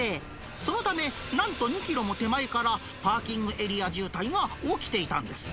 そのため、なんと２キロも手前からパーキングエリア渋滞が起きていたんです。